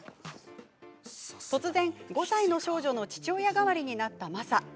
突然、５歳の少女の父親代わりになったマサ。